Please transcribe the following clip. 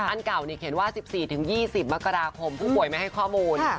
อันเก่าเขียนว่า๑๔๒๐มกราคมผู้ป่วยไม่ให้ข้อมูล